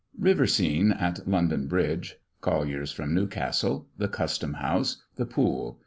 RIVER SCENE AT LONDON BRIDGE. COLLIERS FROM NEWCASTLE. THE CUSTOM HOUSE. THE POOL.